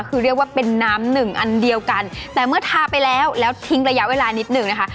คือเรียกว่าเป็นน้ำหนึ่งอันเดียวกันแต่เมื่อทาไปแล้วแล้วทิ้งระยะเวลานิดหนึ่งนะคะ